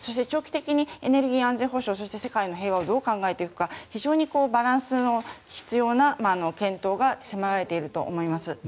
長期的にエネルギー安全保障そして世界の平和をどう考えていくか非常にバランスの必要な見当が迫られていると思います。